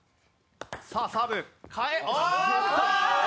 さあサーブかえおっと！